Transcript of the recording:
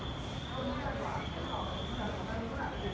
อันที่สุดท้ายก็คือภาษาอันที่สุดท้าย